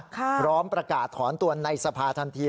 พร้อมประกาศถอนตัวในสภาทันที